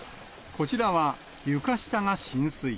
こちらは、床下が浸水。